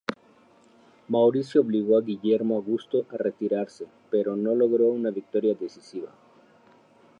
Mauricio obligó a Guillermo Augusto a retirarse pero no logró una victoria decisiva.